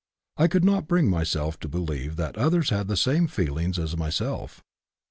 I could not bring myself to believe that others had the same feelings as myself.